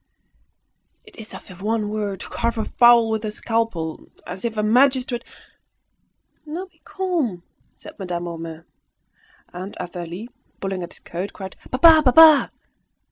It is as if one were to carve a fowl with a scalpel; as if a magistrate " "Now be calm," said Madame Homais. And Athalie, pulling at his coat, cried "Papa! papa!"